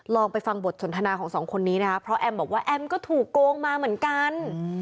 ลองไปฟังบทสนทนาของสองคนนี้นะคะเพราะแอมบอกว่าแอมก็ถูกโกงมาเหมือนกัน